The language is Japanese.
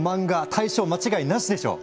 大賞間違いなしでしょう！